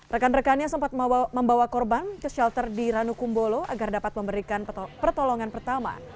rekan rekannya sempat membawa korban ke shelter di ranukumbolo agar dapat memberikan pertolongan pertama